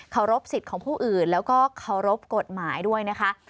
รบสิทธิ์ของผู้อื่นแล้วก็เคารพกฎหมายด้วยนะคะ